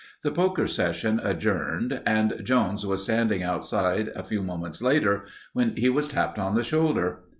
The poker session adjourned and Jones was standing outside a few moments later when he was tapped on the shoulder.